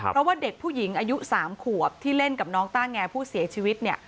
เพราะว่าเด็กผู้หญิงอายุ๓ขวบที่เล่นกับน้องต้าแงผู้เสียชีวิต